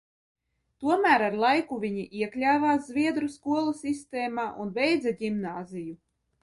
Tomēr ar laiku viņi iekļāvās zviedru skolu sistēmā un beidza ģimnāziju.